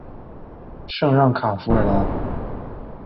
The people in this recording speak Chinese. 圣让卡弗尔拉。